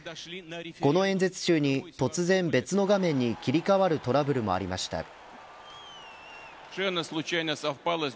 この演説中に突然別の画面に切り替わるトラブルもありました。